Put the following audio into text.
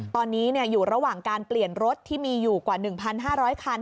ตอนนี้อยู่ระหว่างการเปลี่ยนรถที่มีอยู่กว่า๑๕๐๐คัน